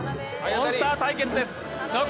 モンスター対決です。